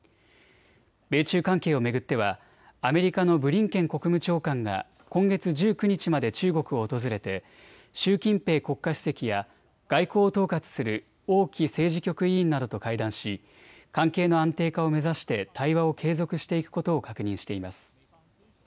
米中関係を巡ってはアメリカのブリンケン国務長官が今月１９日まで中国を訪れて習近平国家主席や外交を統括する王毅政治局委員などと会談し関係の安定化を目指して対話を継続していくことを確認しています。